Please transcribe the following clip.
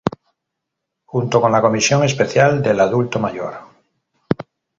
Junto con la comisión especial del Adulto Mayor.